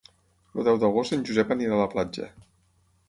El deu d'agost en Josep anirà a la platja.